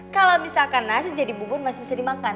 kalau misalkan nasi jadi bubur masih bisa dimakan